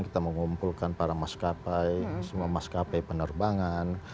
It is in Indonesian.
kita mengumpulkan para maskapai semua maskapai penerbangan